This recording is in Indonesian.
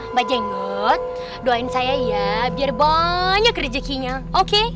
mbak jengot doain saya ya biar banyak rezekinya oke